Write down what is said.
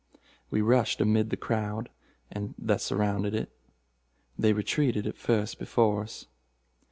We rushed amid the crowd that surrounded it. They retreated, at first, before us.